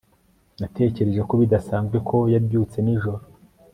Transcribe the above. natekereje ko bidasanzwe ko yabyutse nijoro